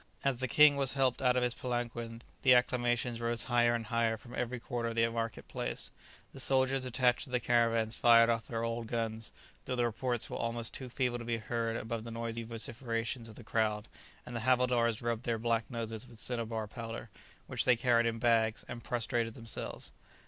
As the king as helped out of his palanquin, the acclamations rose higher and higher from every quarter of the market place The soldiers attached to the caravans fired off their old guns, though the reports were almost too feeble to be heard above the noisy vociferations of the crowd; and the havildars rubbed their black noses with cinnabar powder, which they carried in bags, and prostrated themselves.